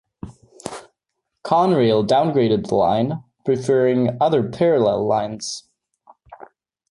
Conrail downgraded the line, preferring other parallel lines.